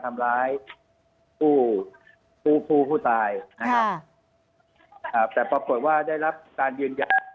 ทำร้ายผู้ตายแต่ปรากฎว่าได้รับการยืนยัน